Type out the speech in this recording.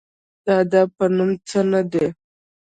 د ادب په نوم څه نه دي